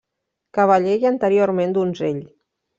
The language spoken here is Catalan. Cavaller i anteriorment donzell.